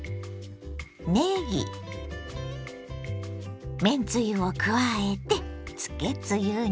ねぎめんつゆを加えてつけつゆに。